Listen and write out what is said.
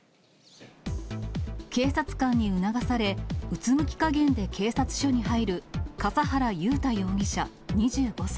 警察官に促され、うつむきかげんで警察署に入る笠原雄大容疑者２５歳。